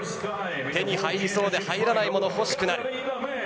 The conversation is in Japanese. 手に入りそうで入らないものほど欲しくなる。